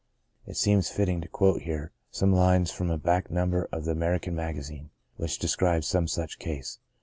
It seems fitting to quote here some lines from a back number of the American Magazine^ which describes some such case.